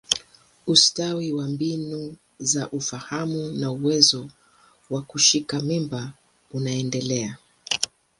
Ustawi wa mbinu za ufahamu wa uwezo wa kushika mimba unaendelea.